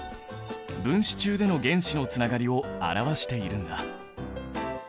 分子中での原子のつながりを表しているんだ。